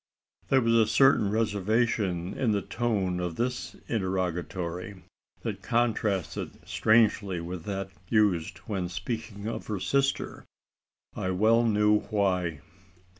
There was a certain reservation in the tone of this interrogatory, that contrasted strangely with that used when speaking of her sister. I well knew why.